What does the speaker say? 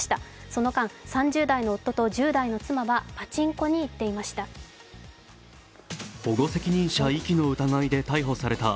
その間、３０代の夫と１０代の妻はパチンコに行っていました。